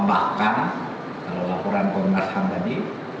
bahkan kalau laporan komnas ham tadi